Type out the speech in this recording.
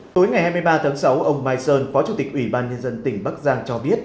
tối ngày hai mươi ba tháng sáu ông mai sơn phó chủ tịch ủy ban nhân dân tỉnh bắc giang cho biết